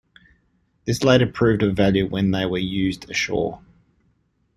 This later proved of value when they were used ashore.